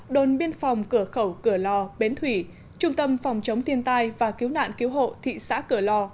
đồn biên phòng cửa khẩu cửa lò bến thủy trung tâm phòng chống thiên tai và cứu nạn cứu hộ thị xã cửa lò